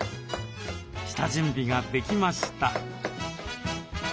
下準備ができました。